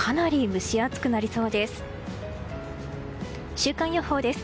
週間予報です。